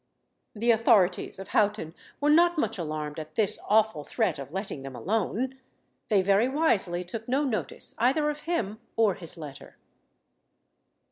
The authorities of Houghton were not much alarmed at this awful threat of letting them alone. They very wisely took no notice either of him or his letter.